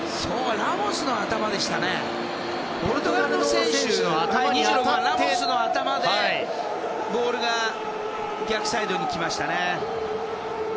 ラモスの頭でボールが逆サイドに来ましたね。